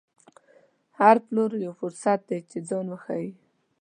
هر پلور یو فرصت دی چې ځان وښيي.